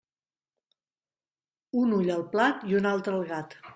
Un ull al plat i un altre al gat.